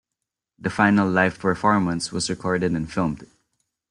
The final live performance was recorded and filmed.